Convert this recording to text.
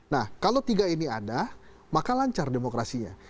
nah kalau tiga ini ada maka lancar demokrasinya